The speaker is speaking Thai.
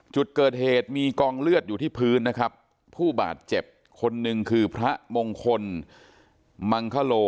จุดเกิดเหตุมีกองเลือดอยู่ที่พื้นนะครับผู้บาดเจ็บคนหนึ่งคือพระมงคลมังคโล